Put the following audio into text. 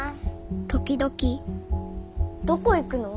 時々どこ行くの？